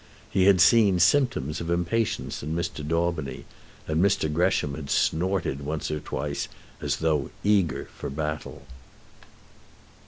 He had seen symptoms of impatience in Mr. Daubeny, and Mr. Gresham had snorted once or twice, as though eager for the battle.